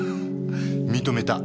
認めた。